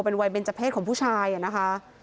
เป็นวัยเบนเจอร์เพศของผู้ชายนะคะ